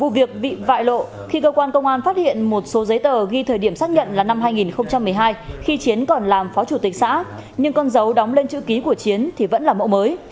vụ việc bị vại lộ khi cơ quan công an phát hiện một số giấy tờ ghi thời điểm xác nhận là năm hai nghìn một mươi hai khi chiến còn làm phó chủ tịch xã nhưng con dấu đóng lên chữ ký của chiến thì vẫn là mẫu mới